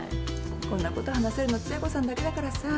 こんなこと話せるのつや子さんだけだからさ。